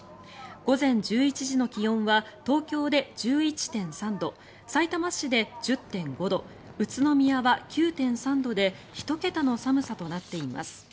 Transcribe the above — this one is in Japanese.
午前１１時の気温は東京で１１．３度さいたま市で１０．５度宇都宮は９．３度で１桁の寒さとなっています。